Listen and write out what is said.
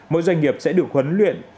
mỗi doanh nghiệp sẽ được huấn luyện